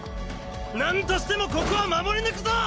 なんとしてもここは守り抜くぞ！